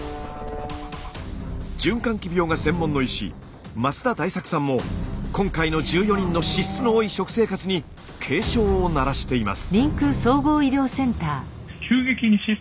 循環器病が専門の医師増田大作さんも今回の１４人の脂質の多い食生活に警鐘を鳴らしています。